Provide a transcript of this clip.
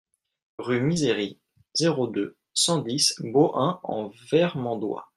Rue Misery, zéro deux, cent dix Bohain-en-Vermandois